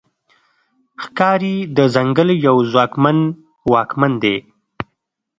ښکاري د ځنګل یو ځواکمن واکمن دی.